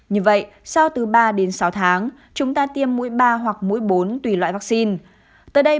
như vậy sau từ ba đến sáu tháng chúng ta tiêm mũi ba hoặc mũi bốn tùy loại vắc xin từ đây